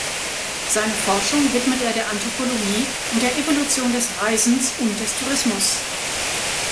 Seine Forschung widmet er der Anthropologie und der Evolution des Reisens und des Tourismus.